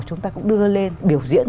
chúng ta cũng đưa lên biểu diễn